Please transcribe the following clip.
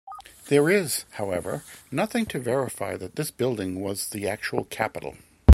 There is, however, nothing to verify that this building was the actual capitol.